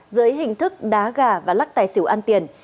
dưới hình thức đá gà và lắc tài xỉu ăn tiền